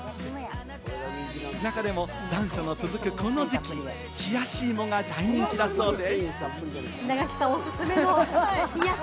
中でも残暑の続くこの時期、冷やし芋が大人気だそうで。